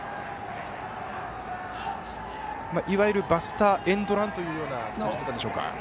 いわゆるバスターエンドランという感じでしょうか。